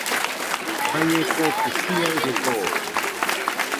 Baie kokɨ jiaɨre boode.